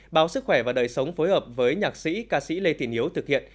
báo sức khỏe và đời sống phối hợp với nhạc sĩ ca sĩ lê thị hiếu thực hiện